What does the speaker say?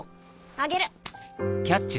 あげる！